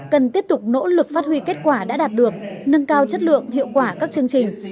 cần tiếp tục nỗ lực phát huy kết quả đã đạt được nâng cao chất lượng hiệu quả các chương trình